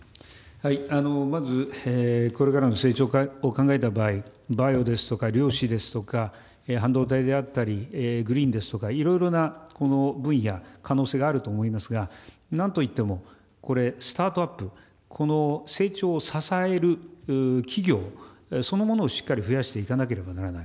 まずこれからの成長を考えた場合、バイオですとか、量子ですとか、半導体であったり、グリーンですとか、いろいろな分野、可能性があると思いますが、なんといっても、これ、スタートアップ、この成長を支える企業そのものを、しっかり増やしていかなければならない。